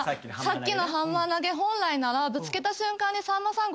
さっきのハンマー投げ本来ならぶつけた瞬間に「さんまさんごめんなさい。